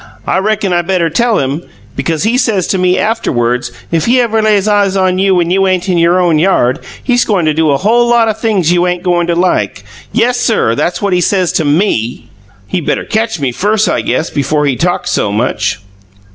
I reckon I better tell him, because he says to me after WERDS if he ever lays eyes on you when you ain't in your own yard, he's goin' to do a whole lot o' things you ain't goin' to like! Yessir, that's what he says to ME!" "He better catch me first, I guess, before he talks so much."